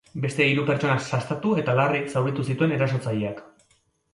Beste hiru pertsona sastatu eta larri zauritu zituen erasotzaileak.